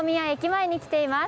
前に来ています